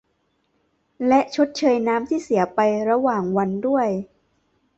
และชดเชยน้ำที่เสียไประหว่างวันด้วย